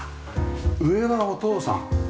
上はお父さん。